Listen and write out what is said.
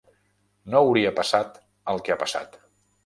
No hauria passat el que ha passat.